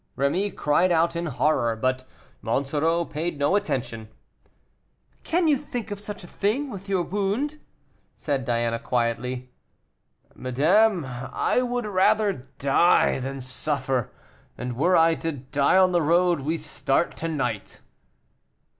Rémy cried out in horror, but Monsoreau paid no attention. "Can you think of such a thing, with your wound?" said Diana, quietly. "Madame, I would rather die than suffer, and were I to die on the road, we start to night."